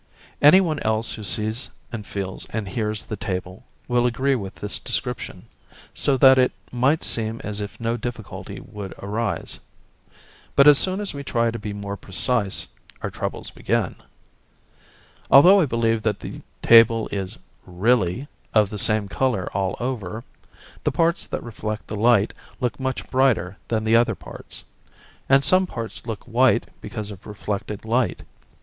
Any one else who sees and feels and hears the table will agree with this description, so that it might seem as if no difficulty would arise; but as soon as we try to be more precise our troubles begin. Although I believe that the table is 'really' of the same colour all over, the parts that reflect the light look much brighter than the other parts, and some parts look white because of reflected light.